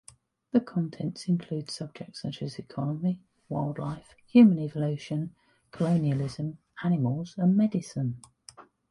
The contents include subjects such as economy, wildlife, human evolution, colonialism, animals and medicine.